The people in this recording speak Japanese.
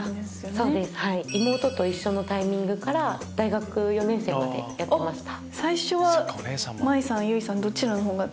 そうですはい妹と一緒のタイミングから大学４年生までやってました。